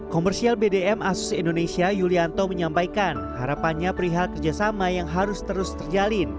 komersial bdm asus indonesia yulianto menyampaikan harapannya perihal kerjasama yang harus terus terjalin